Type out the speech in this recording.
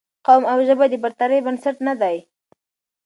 قوم او ژبه د برترۍ بنسټ نه دي